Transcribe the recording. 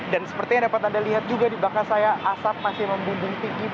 dan sepertinya dapat anda lihat juga di belakang saya asap masih membungkuk tinggi